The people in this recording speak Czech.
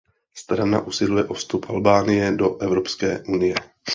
Strana usiluje o vstup Albánie do Evropské unie.